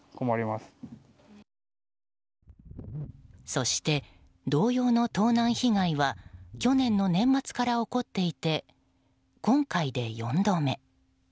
そして、同様の盗難被害は去年の年末から起こっていて今回で４度目。